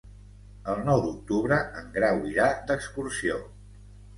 El nou d'octubre en Grau irà d'excursió.